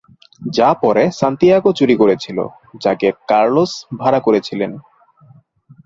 যা পরে সান্তিয়াগো চুরি করেছিল, যাকে কার্লোস ভাড়া করেছিলেন।